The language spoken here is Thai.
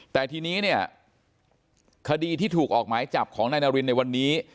แต่ทีนี้เนี่ยคดีที่ถูกออกหมายจับของนายนารินในวันนี้